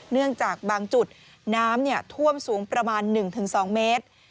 เนื่องจากบางจุดน้ำท่วมสูงประมาณ๑๒เมตร